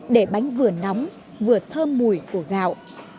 để bánh vừa nóng vừa thơm mùi của gạo